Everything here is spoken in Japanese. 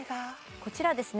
こちらですね